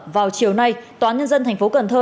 vào chiều nay tòa nhân dân thành phố cần thơ